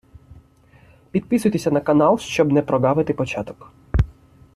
Підписуйтеся на канал, щоб не проґавити початок.